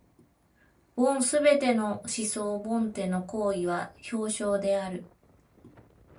凡すべての思想凡ての行為は表象である。